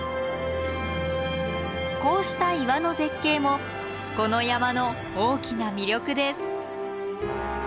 こうした岩の絶景もこの山の大きな魅力です。